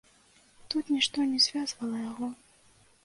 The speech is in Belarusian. Тут нішто не звязвала яго.